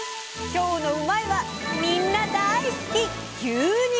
今日の「うまいッ！」はみんな大好き牛肉！